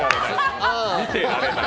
見てられない。